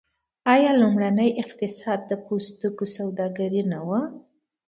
آیا لومړنی اقتصاد د پوستکي په سوداګرۍ نه و؟